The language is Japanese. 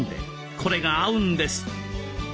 これが合うんです。